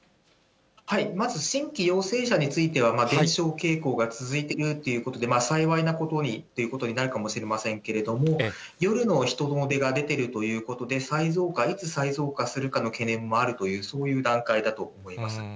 まず新規陽性者については減少傾向が続いているということで、幸いなことにっていうことになるかもしれませんけれども、夜の人出が出てるということで、再増加、いつ再増加するかの懸念もあるという、そういう段階だと思います。